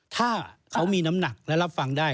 ถ้าเขามีน้ำหนักและรับฟังได้